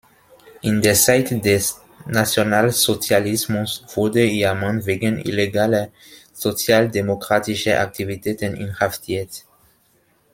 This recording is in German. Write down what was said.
In der Zeit des Nationalsozialismus wurde ihr Mann wegen illegaler sozialdemokratischer Aktivitäten inhaftiert.